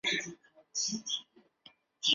浦和车站的铁路车站。